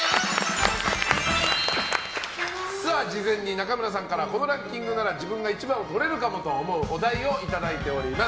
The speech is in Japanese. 事前に中村さんからこのランキングなら自分が１番をとれるかもと思うお題をいただいております。